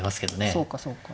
そうかそうか。